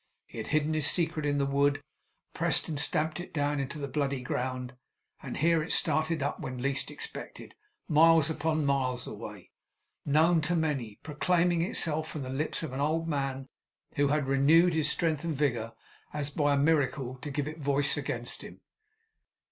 He had hidden his secret in the wood; pressed and stamped it down into the bloody ground; and here it started up when least expected, miles upon miles away; known to many; proclaiming itself from the lips of an old man who had renewed his strength and vigour as by a miracle, to give it voice against him!